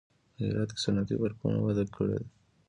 په هرات کې صنعتي پارکونه وده کړې